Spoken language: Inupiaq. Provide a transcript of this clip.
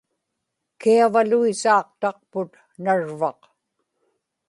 kiavaluisaaqtaqput narvaq